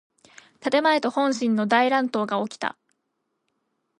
建前と本心の大乱闘がおきた。